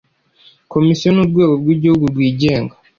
komisiyo ni urwego rw igihugu rwigenga